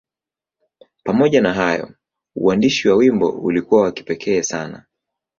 Pamoja na hayo, uandishi wa wimbo ulikuwa wa kipekee sana.